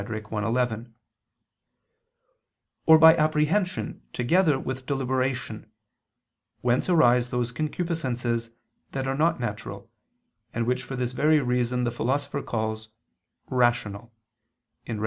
i, 11); or by apprehension together with deliberation, whence arise those concupiscences that are not natural, and which for this very reason the Philosopher calls "rational" (Rhet.